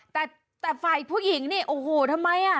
แต่ฝ่ายผู้หญิงนี่โอ้โหทำไมอ่ะ